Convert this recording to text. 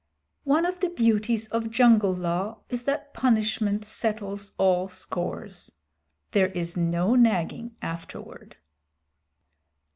One of the beauties of Jungle Law is that punishment settles all scores. There is no nagging afterward.